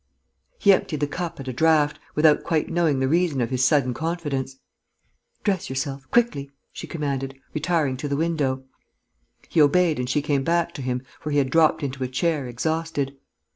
He emptied the cup at a draught, without quite knowing the reason of his sudden confidence. "Dress yourself ... quickly," she commanded, retiring to the window. He obeyed and she came back to him, for he had dropped into a chair, exhausted.